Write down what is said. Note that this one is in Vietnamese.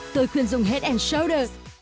tôi khuyên dùng head shoulders